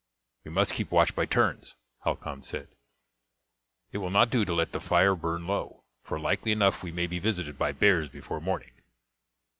"We must keep watch by turns," Halcon said; "it will not do to let the fire burn low, for likely enough we may be visited by bears before morning."